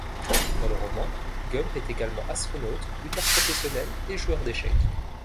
Dans le roman, Gump est également astronaute, lutteur professionnel et joueur d'échecs.